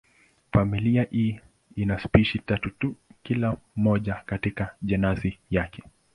Familia hii ina spishi tatu tu, kila moja katika jenasi yake.